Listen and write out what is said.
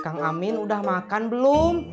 kang amin udah makan belum